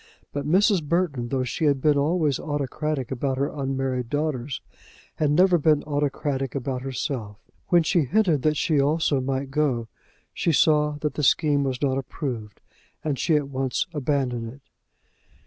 But Mrs. Burton, though she had been always autocratic about her unmarried daughters, had never been autocratic about herself. When she hinted that she also might go, she saw that the scheme was not approved, and she at once abandoned it.